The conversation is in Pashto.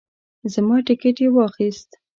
زما ټیکټ یې واخیست.